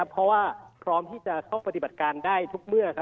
เพราะว่าพร้อมที่จะเข้าปฏิบัติการได้ทุกเมื่อ